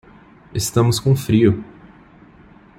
Estamos com frio